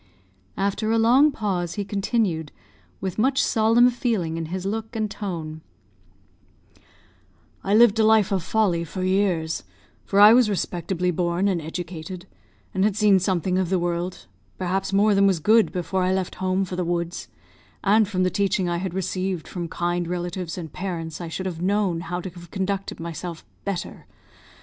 After a long pause, he continued, with much solemn feeling in his look and tone "I lived a life of folly for years, for I was respectably born and educated, and had seen something of the world, perhaps more than was good, before I left home for the woods; and from the teaching I had received from kind relatives and parents I should have known how to have conducted myself better.